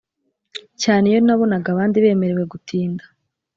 Cyane iyo nabonaga abandi bemerewe gutinda